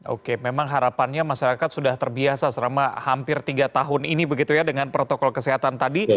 oke memang harapannya masyarakat sudah terbiasa selama hampir tiga tahun ini begitu ya dengan protokol kesehatan tadi